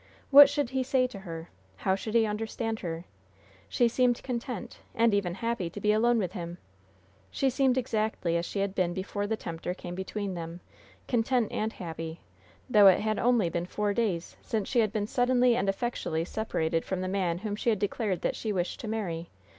What should he say to her? How should he understand her? She seemed content, and even happy, to be alone with him. She seemed exactly as she had been before the tempter came between them content and happy though it had only been four days since she had been suddenly and effectually separated from the man whom she had declared that she wished to marry.